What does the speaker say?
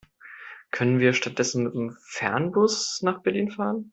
Können wir stattdessen mit dem Fernbus nach Berlin fahren?